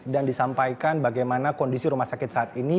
dan disampaikan bagaimana kondisi rumah sakit saat ini